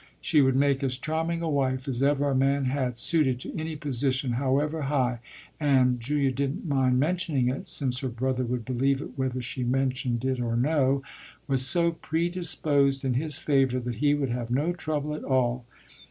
She would make as charming a wife as ever a man had, suited to any position, however high, and Julia didn't mind mentioning it, since her brother would believe it whether she mentioned it or no was so predisposed in his favour that he would have no trouble at all.